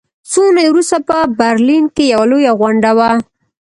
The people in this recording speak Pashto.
څو اونۍ وروسته په برلین کې یوه لویه غونډه وه